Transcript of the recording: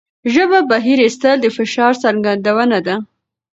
ژبه بهر ایستل د فشار څرګندونه ده.